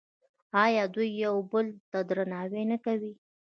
آیا دوی یو بل ته درناوی نه کوي؟